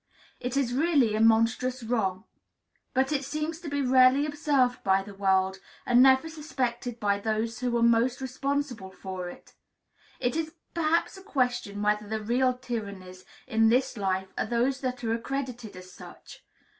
It is really a monstrous wrong; but it seems to be rarely observed by the world, and never suspected by those who are most responsible for it. It is perhaps a question whether the real tyrannies in this life are those that are accredited as such.